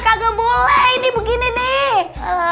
kagak boleh ini begini nih